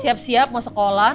siap siap mau sekolah